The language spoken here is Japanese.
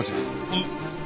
うん。